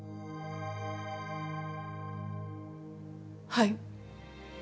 はい。